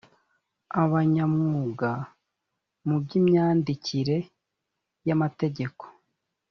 abanyamwuga mu by imyandikire y amategeko